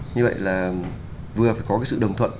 như vậy là vừa phải có sự đồng thuận